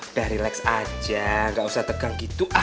udah relax aja nggak usah tegang gitu ah